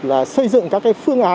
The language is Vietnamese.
là xây dựng các phương án